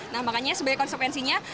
nah makanya sebagai konsekuensinya